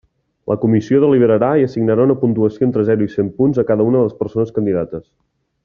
La comissió deliberarà i assignarà una puntuació entre zero i cent punts a cada una de les persones candidates.